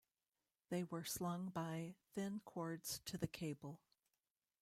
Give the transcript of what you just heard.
They were slung by thin cords to the cable.